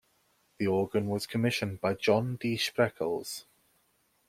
The organ was commissioned by John D. Spreckels.